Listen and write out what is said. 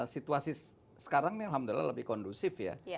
situasi sekarang ini alhamdulillah lebih kondusif ya